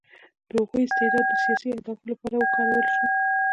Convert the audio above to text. د هغوی استعداد د سیاسي اهدافو لپاره وکارول شو